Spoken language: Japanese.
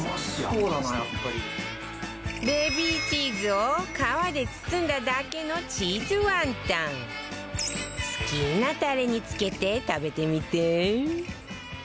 ベビーチーズを皮で包んだだけの好きなタレにつけて食べてみて